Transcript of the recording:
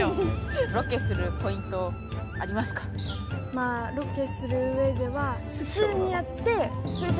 まぁロケする上では。